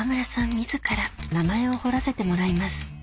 自ら名前を彫らせてもらいます